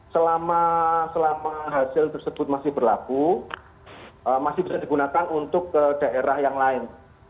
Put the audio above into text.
selama hasil tersebut masih berlaku masih bisa digunakan untuk ke daerah yang lain